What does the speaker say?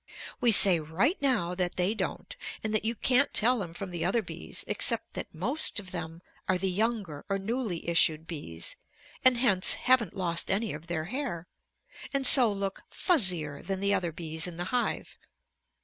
We say right now that they don't, and that you can't tell them from the other bees except that most of them are the younger or newly issued bees and hence haven't lost any of their hair, and so look "fuzzier" than the other bees in the hive.